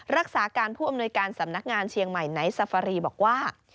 รักษาการผู้อำนวยการสำนักงานเชียงใหม่ไนท์ซาฟารีบอกว่า